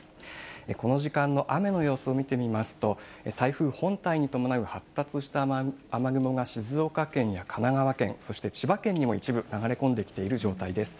この時間の雨の様子を見てみますと、台風本体に伴う発達した雨雲が、静岡県や神奈川県、そして千葉県にも一部流れ込んできている状態です。